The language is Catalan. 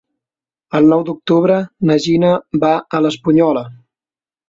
El nou d'octubre na Gina va a l'Espunyola.